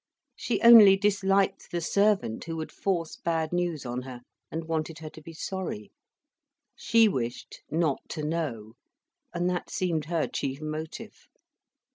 She only disliked the servant who would force bad news on her, and wanted her to be sorry. She wished not to know, and that seemed her chief motive.